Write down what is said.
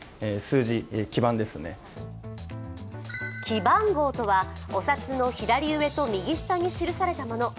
記番号とはお札の左上と右下に記されたもの。